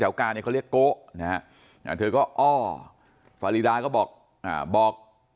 กาเนี่ยเขาเรียกโกนะฮะเธอก็อ้อฟารีดาก็บอกบอก